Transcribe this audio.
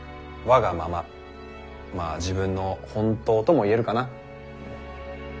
まあ自分の本当とも言えるかな。